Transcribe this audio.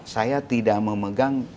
saya tidak memegang